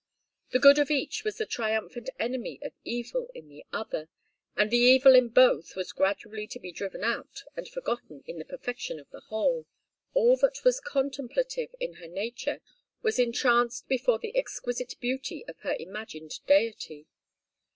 The good of each was the triumphant enemy of evil in the other, and the evil in both was gradually to be driven out and forgotten in the perfection of the whole. All that was contemplative in her nature was entranced before the exquisite beauty of her imagined deity.